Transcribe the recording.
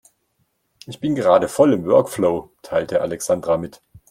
Ich bin gerade voll im Workflow, teilte Alexandra mit.